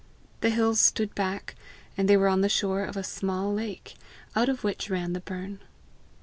The hills stood back, and they were on the shore of a small lake, out of which ran the burn.